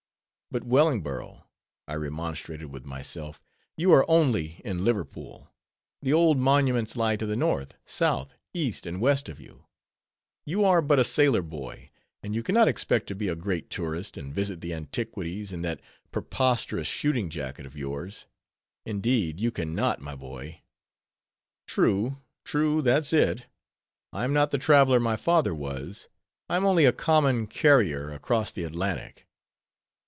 But, Wellingborough, I remonstrated with myself, you are only in Liverpool; the old monuments lie to the north, south, east, and west of you; you are but a sailor boy, and you can not expect to be a great tourist, and visit the antiquities, in that preposterous shooting jacket of yours. Indeed, you can not, my boy. True, true—that's it. I am not the traveler my father was. I am only a common carrier across the Atlantic.